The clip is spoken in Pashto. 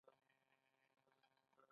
د توتانو پاڼې کله ورته ورکړم؟